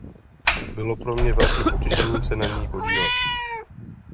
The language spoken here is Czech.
Bylo pro mě velkým potěšením se na ní podílet.